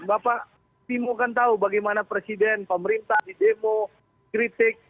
bapak timo kan tahu bagaimana presiden pemerintah di demo kritik